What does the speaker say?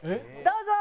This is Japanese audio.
どうぞ！